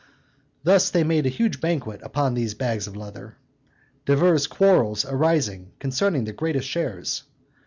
Thus they made a huge banquet upon these bags of leather, divers quarrels arising concerning the greatest shares.